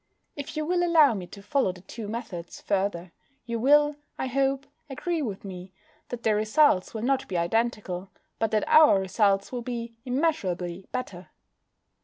If you will allow me to follow the two methods further you will, I hope, agree with me that their results will not be identical, but that our results will be immeasurably better.